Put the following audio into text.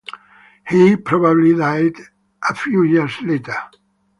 He probably died a few years later.